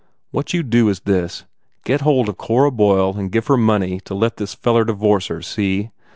What you do is this, Get hold of Cora Boyle and give her money to let this feller divorce her, see?